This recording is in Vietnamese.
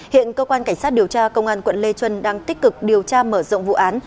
hiện cơ quan cảnh sát điều tra công an quận lê trân đang tích cực điều tra mở rộng vụ án